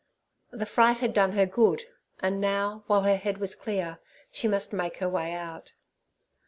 The fright had done her good, and now, while her head was clear, she must make her way out.